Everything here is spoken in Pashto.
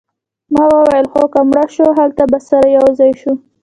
ما وویل هو که مړه شوو هلته به سره یوځای شو